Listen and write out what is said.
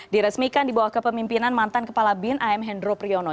diresmikan di bawah kepemimpinan mantan kepala bin am hendro priyono